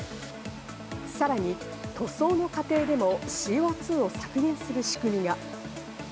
さらに塗装の過程でもＣＯ２を削減する仕組みが。